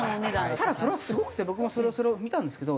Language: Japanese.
ただそれはすごくて僕もそれを見たんですけど。